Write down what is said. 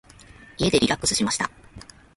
家でリラックスしました。